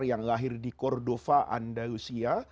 yang lahir di kordova andalusia